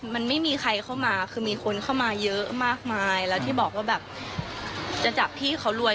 มันไม่มีใครเข้ามาคือมีคนเข้ามาเยอะมากมายแล้วที่บอกว่าแบบจะจับพี่เขารวย